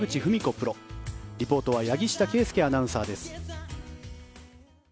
プロリポートは柳下圭佑アナウンサーです。